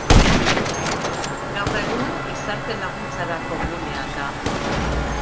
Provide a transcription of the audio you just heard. Gaur egun gizarte laguntzarako gunea da.